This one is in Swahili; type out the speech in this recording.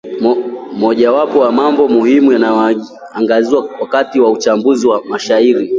mojawapo ya mambo muhimu yanayoangaziwa wakati wa uchambuzi wa mashairi